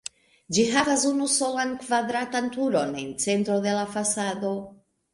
Ĝi havas unusolan kvadratan turon en centro de la fasado.